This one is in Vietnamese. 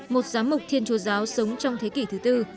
một giám mục thiên chúa giáo sống trong thế kỷ thứ tư